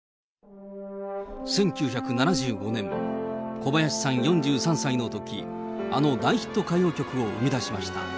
小林さん４３歳のとき、あの大ヒット歌謡曲を生み出しました。